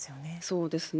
そうですね。